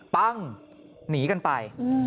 ปั้งหนีกันไป